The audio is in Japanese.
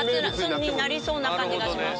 なりそうな感じがします。